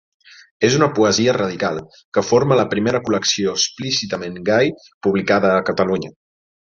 És una poesia radical, que forma la primera col·lecció explícitament gai publicada a Catalunya.